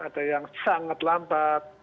ada yang sangat lambat